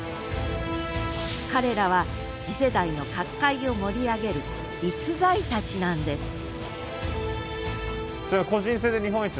彼らは次世代の角界を盛り上げる逸材たちなんですおお。